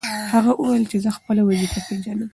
هغه وویل چې زه خپله وظیفه پېژنم.